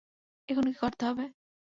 এখন কী করতে হবে?